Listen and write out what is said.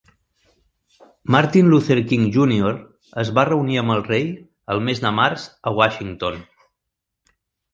Martin Luther King Junior es va reunir amb el rei el mes de març a Washington.